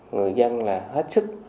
người dân là hết sức